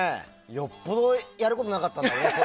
よっぽどやることなかったんだろうね。